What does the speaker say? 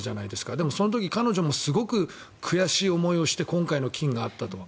でも、その時彼女もすごく悔しい思いをして今回の金があったと。